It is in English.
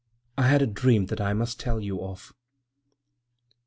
I had a dream that I must tell you of."